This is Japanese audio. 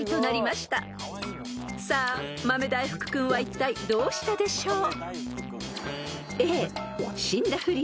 ［さあ豆大福君はいったいどうしたでしょう？］